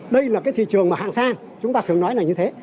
đây là thị trường hàng sang chúng ta thường nói là như thế